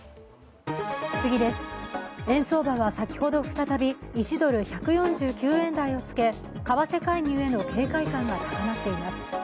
円相場は先ほど再び１ドル＝１４９円台をつけ為替介入への警戒感が高まっています。